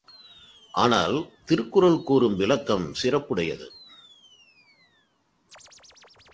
ஆனால், திருக்குறள் கூறும் விளக்கம் சிறப்புடையது.